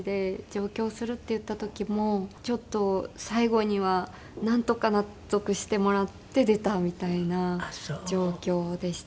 「上京をする」って言った時もちょっと最後にはなんとか納得してもらって出たみたいな状況でしたね。